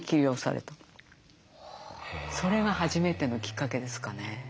それが初めてのきっかけですかね。